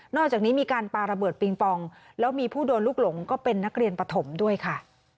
อกจากนี้มีการปาระเบิดปิงปองแล้วมีผู้โดนลูกหลงก็เป็นนักเรียนปฐมด้วยค่ะ